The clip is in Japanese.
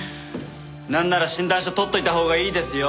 なんなら診断書取っといたほうがいいですよ。